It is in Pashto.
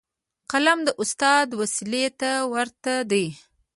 قلم د استاد وسلې ته ورته دی.